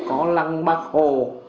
có lăng bắc hồ